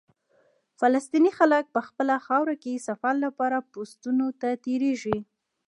فلسطیني خلک په خپله خاوره کې سفر لپاره پوسټونو ته تېرېږي.